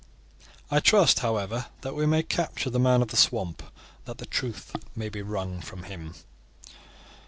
I trust, however, that we may capture the man of the swamp, and that the truth may be wrung from him."